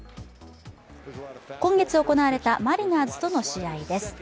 今月行われたマリナーズとの試合です。